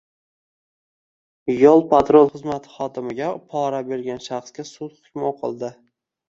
Yo‘l-patrul xizmati xodimiga pora bergan shaxsga sud hukmi o‘qildi